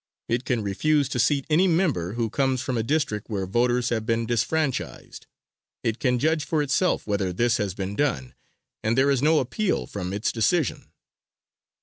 It can refuse to seat any member who comes from a district where voters have been disfranchised: it can judge for itself whether this has been done, and there is no appeal from its decision.